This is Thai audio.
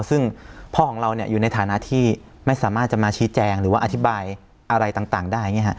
ซึ่งพ่อของเราอยู่ในฐานะที่ไม่สามารถจะมาชี้แจงหรือว่าอธิบายอะไรต่างได้